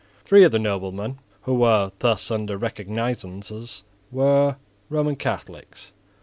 Three of the noblemen who were thus under recognisances were Roman Catholics.